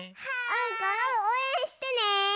おうかをおうえんしてね！